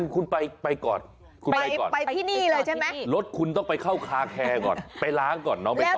คุณไปก่อนคุณไปที่นี่เลยใช่ไหมรถคุณต้องไปเข้าคาแคร์ก่อนไปล้างก่อนน้องไปต่อ